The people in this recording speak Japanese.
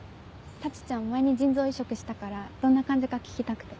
沙智ちゃん前に腎臓移植したからどんな感じか聞きたくて。